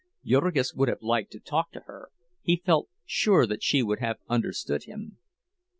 Jurgis would have liked to talk to her, he felt sure that she would have understood him.